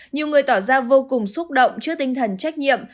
nhiều người tỏ ra vô cùng xúc động trước tinh thần trách nhiệm